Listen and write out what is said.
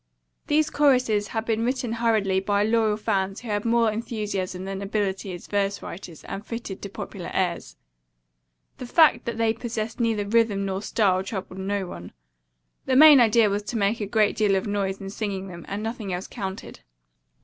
These choruses had been written hurriedly by loyal fans who had more enthusiasm than ability as verse writers, and fitted to popular airs. The fact that they possessed neither rhythm nor style troubled no one. The main idea was to make a great deal of noise in singing them, and nothing else counted.